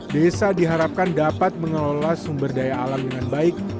desa diharapkan dapat mengelola sumber daya alam dengan baik